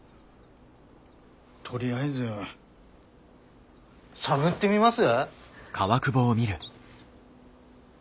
とりあえず探ってみます？